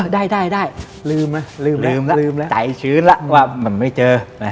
ได้ลืมแล้วใจชื้นแล้วว่าไม่เจอ